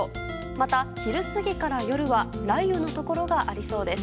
また、昼過ぎから夜は雷雨のところがありそうです。